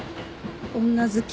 女好き。